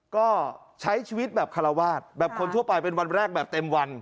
ก็ใช้ชีวิตแบบคาราวาสแบบคนทั่วไปเป็นวันแรกแบบเต็มวัน